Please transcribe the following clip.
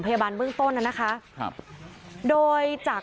ขอบคุณครับ